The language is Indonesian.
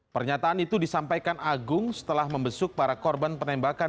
pernyataan itu disampaikan agung setelah membesuk para korban penembakan